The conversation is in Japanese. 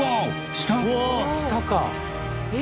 下か。